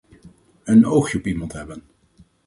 Een oogje op iemand hebben.